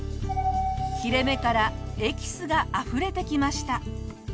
切れ目からエキスがあふれてきました。